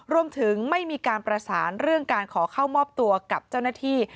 รวมถึงไม่มีการประสานเรื่องการขอเข้ามอบตัวกับเจ้าหน้าที่